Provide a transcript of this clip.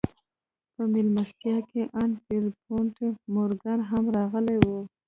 په دې مېلمستيا کې ان پيرپونټ مورګان هم راغلی و.